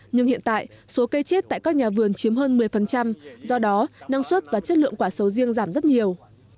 nhưng hiện tại số cây chết tại các nhà vườn chiếm hơn một mươi do đó năng suất và chất lượng quả sầu riêng giảm rất nhiều